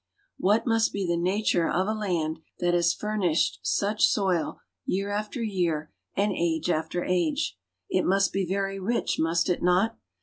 What must be the nature of .8 land that has furnished such soil year after year and age after age.' It must be very rich, must it not?